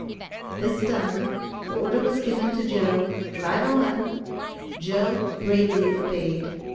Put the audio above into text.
This done, the order was given to Joe, "drive on." Joe bravely obeyed.